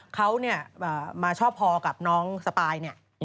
เขามาชอบภอกับน้องสปาย